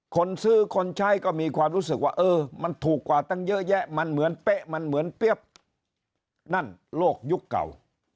คนซื้อคนใช้ก็มีความรู้สึกว่าเออมันถูกกว่าตั้งเยอะแยะมันเหมือนเป๊ะมันเหมือนเปรี้ยนั่นโลกยุคเก่า